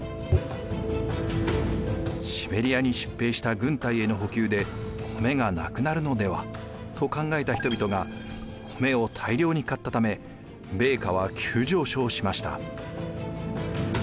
「シベリアに出兵した軍隊への補給で米がなくなるのでは」と考えた人々が米を大量に買ったため米価は急上昇しました。